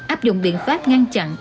áp dụng biện pháp ngăn chặn